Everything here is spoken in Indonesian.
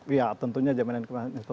iya tentunya jaminan kepastian investasi